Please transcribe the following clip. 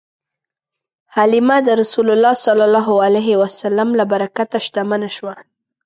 حلیمه د رسول الله ﷺ له برکته شتمنه شوه.